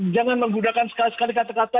jangan menggunakan sekali sekali kata kata